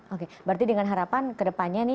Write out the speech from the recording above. oke berarti dengan harapan kedepannya nih